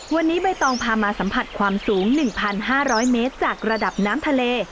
วันนี้ใบตองพามาสัมผัสความสูง๑๕๐๐เมตรจากระดับน้ำทะเล